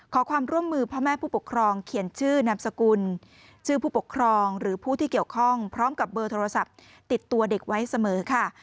ขอความร่วมมือพ่อแม่ผู้ปกครองเขียนชื่อนามสกุลชื่อผู้ปกครองหรือผู้ที่เกี่ยวข้องพร้อมกับเบอร์โทรศัพท์ติดตัวเด็กไว้เสมอค่ะ